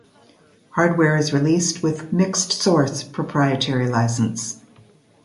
Hardware is released with "mixed source" Proprietary license.